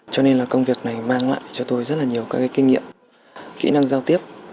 cho nên là công việc này mang lại cho tôi rất là nhiều các kinh nghiệm kỹ năng giao tiếp